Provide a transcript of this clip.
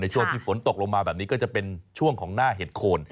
ช่วงที่ฝนตกลงมาแบบนี้ก็จะเป็นช่วงของหน้าเห็ดโคน